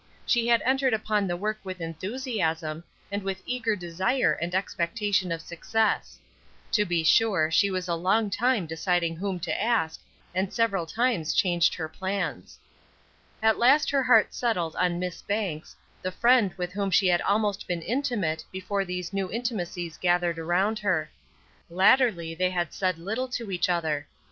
She had entered upon the work with enthusiasm, and with eager desire and expectation of success. To be sure she was a long time deciding whom to ask, and several times changed her plans. At last her heart settled on Miss Banks, the friend with whom she had almost been intimate before these new intimacies gathered around her. Latterly they had said little to each other.